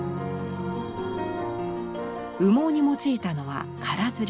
羽毛に用いたのは「空摺」。